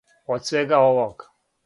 Од свега овог!